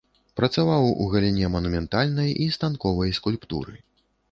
Працаваў у галіне манументальнай і станковай скульптуры.